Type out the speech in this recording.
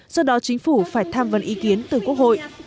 do đó chính phủ phải tham vấn ý kiến từ quốc hội